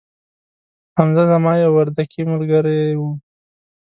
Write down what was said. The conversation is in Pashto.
حمزه زما یو وردکې ملګري وو